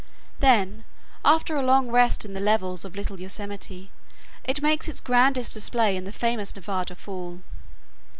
Then, after a long rest in the levels of Little Yosemite, it makes its grandest display in the famous Nevada Fall.